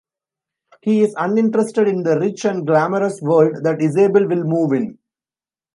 He is uninterested in the rich and glamorous world that Isabel will move in.